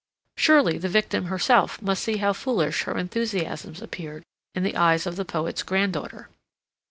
Surely the victim herself must see how foolish her enthusiasms appeared in the eyes of the poet's granddaughter.